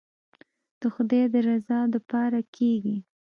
د خداى د رضا دپاره کېګي.